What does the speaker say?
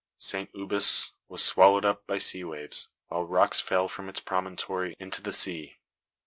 St. Ubes was swallowed up by sea waves, while rocks fell from its promontory into the sea.